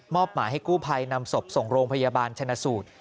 หมายให้กู้ภัยนำศพส่งโรงพยาบาลชนะสูตร